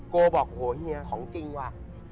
โกบอกโอ้โหเฮียของจริงว่ะ